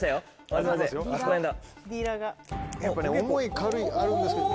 やっぱね重い軽いあるんですけど。